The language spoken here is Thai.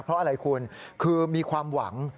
เพราะอะไรคุณคือมีความหวัง